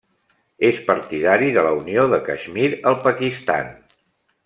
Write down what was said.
És partidari de la unió de Caixmir al Pakistan.